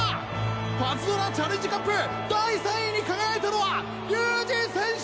パズドラチャレンジカップ第３位に輝いたのは龍二選手！